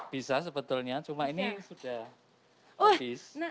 bisa sebetulnya cuma ini sudah habis